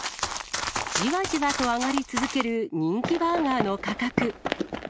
じわじわと上がり続ける人気バーガーの価格。